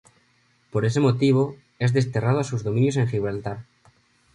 Por ese motivo, es desterrado a sus dominios en Gibraltar.